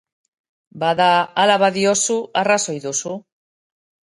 Bada, hala badiozu, arrazoi duzu.